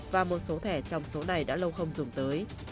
và một số thẻ trong số này đã lâu không dùng tới